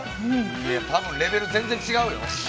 いや多分レベル全然違うよ！